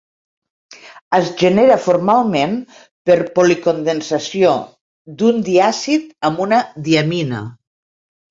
Es genera formalment per policondensació d'un diàcid amb una diamina.